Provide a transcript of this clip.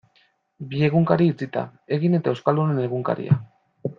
Bi egunkari itxita, Egin eta Euskaldunon Egunkaria.